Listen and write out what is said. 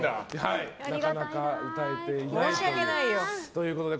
なかなか歌えていないということで。